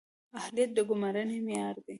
اهلیت د ګمارنې معیار دی